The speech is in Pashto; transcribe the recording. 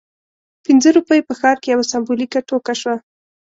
پنځه روپۍ په ښار کې یوه سمبولیکه ټوکه شوه.